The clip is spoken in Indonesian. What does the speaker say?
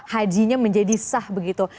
hajinya menjadi sah begitu